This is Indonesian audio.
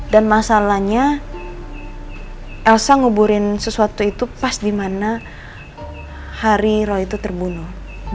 dan masalahnya elsa nguburin sesuatu itu pas dimana hari roy itu terbunuh